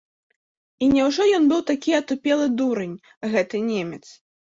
І няўжо ён быў такі атупелы дурань, гэты немец?